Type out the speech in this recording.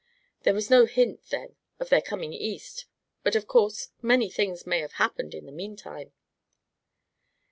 There was no hint then of their coming East, but of course many things may have happened in the meantime."